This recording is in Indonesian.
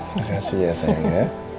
makasih ya sayang